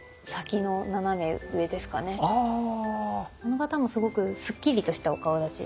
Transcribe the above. あの方もすごくすっきりとしたお顔立ち。